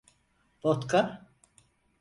Votka?